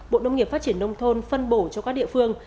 bộ nông nghiệp phát triển nông thôn phân bổ cho các địa phương